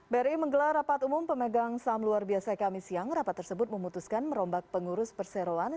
bri menggelar rapat umum pemegang saham luar biasa kami siang rapat tersebut memutuskan merombak pengurus perseroan